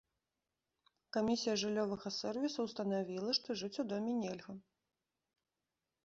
Камісія жыллёвага сервісу ўстанавіла, што жыць у доме нельга.